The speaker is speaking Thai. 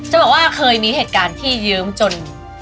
จะบอกว่าเคยมีเหตุการณ์ที่ยืมจน